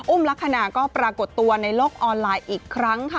ลักษณะก็ปรากฏตัวในโลกออนไลน์อีกครั้งค่ะ